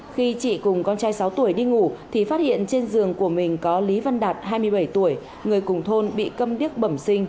khi chị cùng con trai sáu tuổi đi ngủ thì phát hiện trên giường của mình có lý văn đạt hai mươi bảy tuổi người cùng thôn bị cầm điếc bẩm sinh